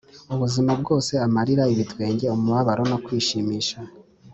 ubuzima bwose amarira, ibitwenge, umubabaro no kwishimisha